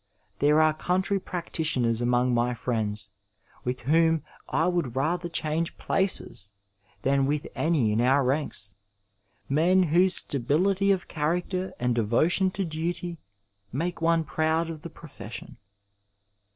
There are country practitioners among my friends with whom I would rather change places than with any in our ranks, men whose stability of character and devotion to duty make one proud of the profession.